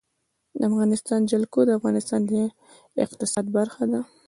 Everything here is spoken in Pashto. د افغانستان جلکو د افغانستان د اقتصاد برخه ده.